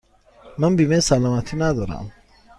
من بیمه سلامتی ندارم.